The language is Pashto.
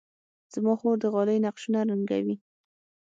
زما خور د غالۍ نقشونه رنګوي.